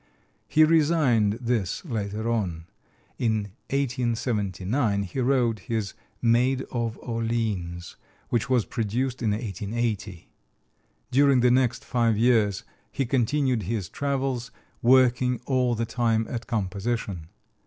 He resigned this later on. In 1879 he wrote his "Maid of Orleans," which was produced in 1880. During the next five years he continued his travels, working all the time at composition.